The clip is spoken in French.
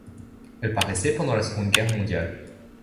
Elle paraissait pendant la Seconde Guerre mondiale.